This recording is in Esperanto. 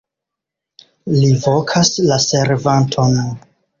Li vokas la servanton.